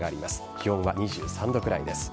気温は２３度ぐらいです。